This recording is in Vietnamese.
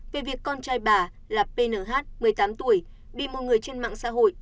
về việc con trai bà là ph một mươi tám tuổi bị một người trên mạng xã hội